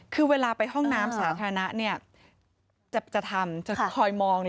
คือเวลาไปห้องน้ำสาธารณะจะทำจะคอยมองเลย